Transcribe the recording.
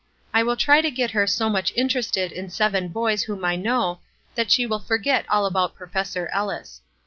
I will try to get her so much interested in seven boys whom I know that she will forget all about Professor Ellis.